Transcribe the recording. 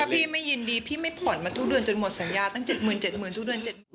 ถ้าพี่ไม่ยินดีพี่ไม่ผ่อนมาทุกเดือนจนหมดสัญญาตั้ง๗๐๐๐๐๗๐๐๐๐บาททุกเดือน